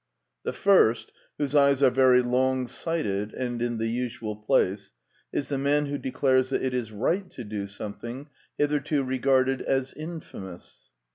The first, whose eyes are very longsighted and in the usual place, is the man who declares that it is right to do something hitherto regarded as infamous.